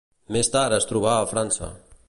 Més tard es trobà a França.